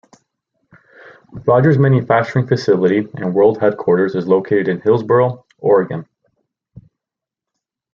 Rodgers' manufacturing facility and world headquarters is located in Hillsboro, Oregon.